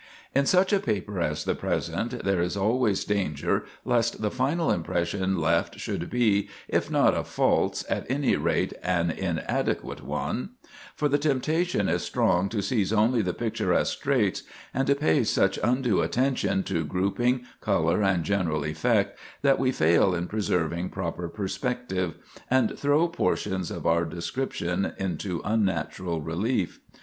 In such a paper as the present, there is always danger lest the final impression left should be, if not a false, at any rate an inadequate one; for the temptation is strong to seize only the picturesque traits, and to pay such undue attention to grouping, color, and general effect, that we fail in preserving proper perspective, and throw portions of our description into unnatural relief.